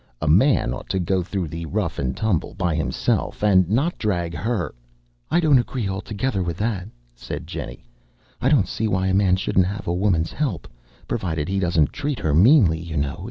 A man ought to go through the rough and tumble by himself, and not drag her " "I don't agree altogether with that," said Jennie. "I don't see why a man shouldn't have a woman's help, provided he doesn't treat her meanly, you know.